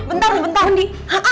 bentar bentar bondi